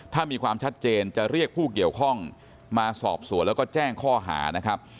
ถ้ามีความชัดเจนจะเรียกผู้เกี่ยวข้องมาสอบสวนแล้วก็แจ้งข้อหานะครับ